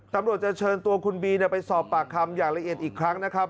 ตำรวจจะเชิญตัวคุณบีไปสอบปากคำอย่างละเอียดอีกครั้งนะครับ